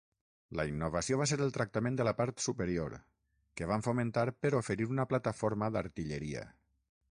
La innovació va ser el tractament de la part superior, que van fomentar per oferir una plataforma d'artilleria.